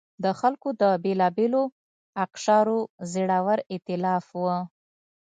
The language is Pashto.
د خلکو د بېلابېلو اقشارو زړور اېتلاف و.